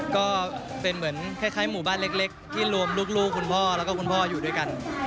ก็เป็นเหมือนคล้ายหมู่บ้านเล็กที่รวมลูกคุณพ่อแล้วก็คุณพ่ออยู่ด้วยกัน